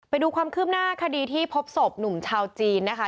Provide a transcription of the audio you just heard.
ไปดูความคืบหน้าคดีที่พบศพหนุ่มชาวจีนนะคะ